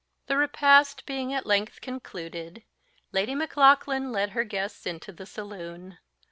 The repast being at length concluded, Lady Maclaughlan led her guests into the saloon.